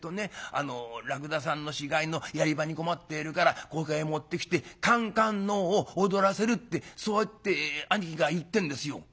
あの『らくださんの死骸のやり場に困っているからここへ持ってきてかんかんのうを踊らせる』ってそうやって兄貴が言ってんですよ」。